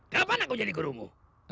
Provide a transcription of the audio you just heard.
kenapa aku jadi gurumu